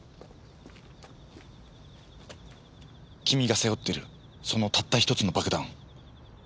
君が背負ってるそのたったひとつの爆弾。